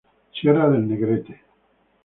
Sierra del Negrete